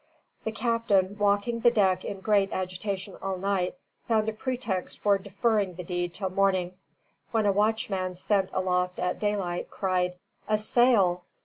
The captain, walking the deck in great agitation all night, found a pretext for deferring the deed till morning, when a watchman sent aloft at daylight cried, "A sail!"